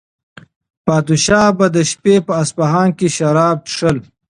پادشاه به د شپې په اصفهان کې شراب څښل.